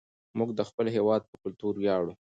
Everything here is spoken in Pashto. موږ د خپل هېواد په کلتور ویاړو.